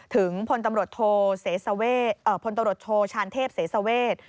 ถึงพลตำรวจโทรชาญเทพเสสเวศ